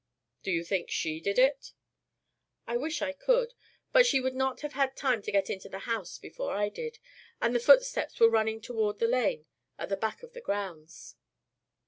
"Do you think she did it?" "I wish I could. But she would not have had time to get into the house before I did. And the footsteps were running toward the lane at the back of the grounds."